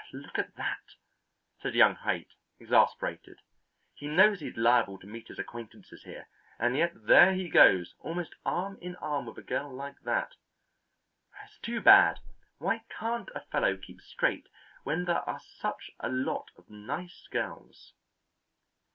"Look at that!" said young Haight, exasperated. "He knows he's liable to meet his acquaintances here, and yet there he goes, almost arm in arm with a girl like that. It's too bad; why can't a fellow keep straight when there are such a lot of nice girls?"